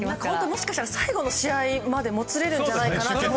もしかしたら最後の試合までもつれるんじゃないかなと。